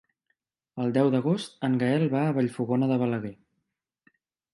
El deu d'agost en Gaël va a Vallfogona de Balaguer.